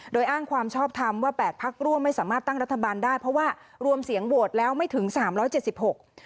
โดยอ้างความชอบทำว่าแปดพักร่วมไม่สามารถตั้งรัฐบาลได้เพราะว่ารวมเสียงโหวตแล้วไม่ถึงสามร้อยเจ็ดสิบหก